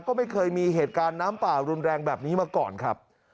ก็ไม่เคยมีเหตุการณ์น้ำป่ารุนแรงแบบนี้มาก่อนครับ